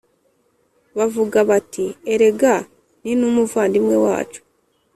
bavugaga bati erega ni n umuvandimwe wacu